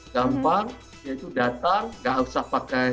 gampang datang tidak usah pakai